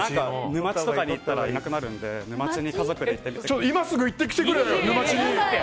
沼地とか行ったらいなくなるんで沼地に家族で行ってみてください。